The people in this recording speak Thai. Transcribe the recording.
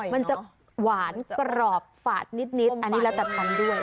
มันจะหวานกรอบฝาดนิดอันนี้เราจะทำด้วย